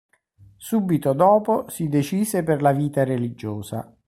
Subito dopo si decise per la vita religiosa.